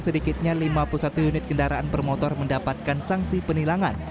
sedikitnya lima puluh satu unit kendaraan bermotor mendapatkan sanksi penilangan